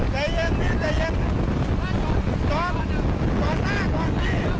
ใจเย็นพี่ใจเย็นจอดจอดหน้าก่อนนี่